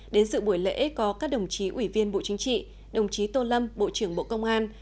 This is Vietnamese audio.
đến sự buổi lễ có các đồng chí ủy viên bộ chính trị đồng chí tô lâm bộ trưởng bộ công an